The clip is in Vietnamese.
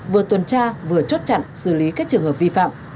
vừa tuần tra vừa chốt chặn xử lý các trường hợp vi phạm